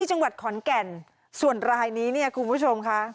จังหวัดขอนแก่นส่วนรายนี้เนี่ยคุณผู้ชมค่ะ